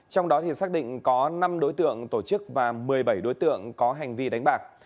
trong đó xác định có năm đối tượng tổ chức và một mươi bảy đối tượng có hành vi đánh bạc